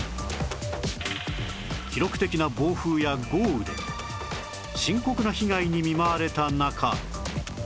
記録的な暴風や豪雨で深刻な被害に見舞われた中